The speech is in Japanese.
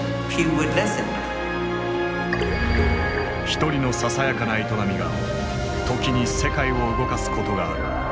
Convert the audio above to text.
一人のささやかな営みが時に世界を動かすことがある。